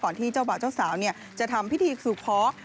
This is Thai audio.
ก่อนที่เจ้าบ่าวเจ้าสาวจะทำพิธีสุขภาพ